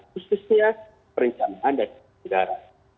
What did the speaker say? khususnya perencanaan dan penyelenggaraan